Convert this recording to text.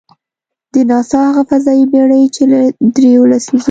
د ناسا هغه فضايي بېړۍ، چې له درېیو لسیزو .